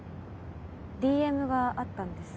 ＤＭがあったんです。